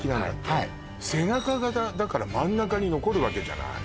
はいはい背中がだから真ん中に残るわけじゃない？